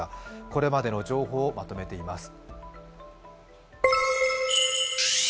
これまでの情報をまとめています。